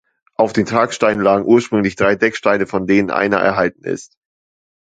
Auf den Tragsteinen lagen ursprünglich drei Decksteine, von denen einer erhalten ist.